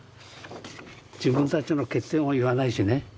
自分たちの欠点を言わないしね。